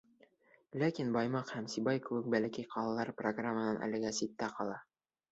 Ләкин Баймаҡ һәм Сибай кеүек бәләкәй ҡалалар программанан әлегә ситтә ҡала.